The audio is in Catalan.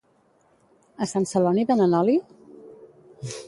a Sant Celoni venen oli?